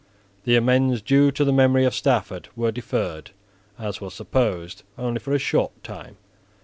The amends due to the memory of Stafford were deferred, as was supposed, only for a short time.